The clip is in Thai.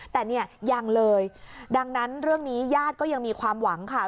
แต่เนี่ยยังเลยดังนั้นเรื่องนี้ญาติก็ยังมีความหวังค่ะ